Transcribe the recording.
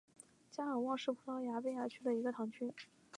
加尔旺是葡萄牙贝雅区的一个堂区。